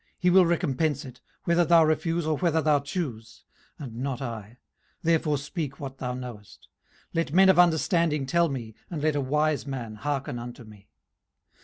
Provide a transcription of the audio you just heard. he will recompense it, whether thou refuse, or whether thou choose; and not I: therefore speak what thou knowest. 18:034:034 Let men of understanding tell me, and let a wise man hearken unto me.